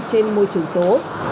trên môi trường số